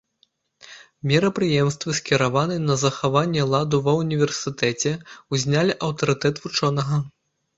Мерапрыемствы, скіраваныя на захаванне ладу ва ўніверсітэце, узнялі аўтарытэт вучонага.